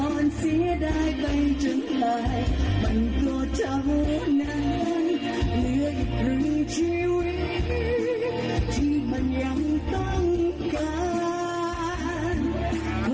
มันก็เจ้านั้นเหลืออีกครึ่งชีวิตที่มันยังต้องการ